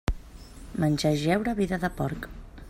Menjar i jeure, vida de porc.